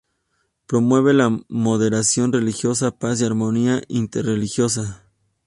Promueve la moderación religiosa, paz y armonía inter-religiosa.